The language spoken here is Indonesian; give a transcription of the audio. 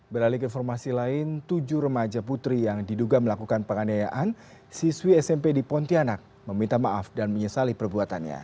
beralik informasi lain tujuh remaja putri yang diduga melakukan penganiayaan siswi smp di pontianak meminta maaf dan menyesali perbuatannya